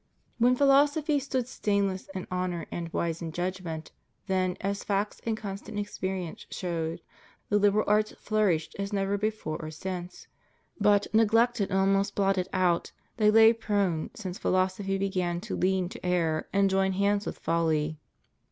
When philosophy stood stain less in honor and wise in judgment, then, as facts and constant experience showed, the liberal arts flourished as never before or since; but, neglected and almost blotted out, they lay prone since philosophy began to lean to error and join hands with folly.